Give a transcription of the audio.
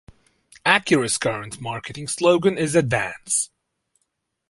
Acura's current marketing slogan is Advance.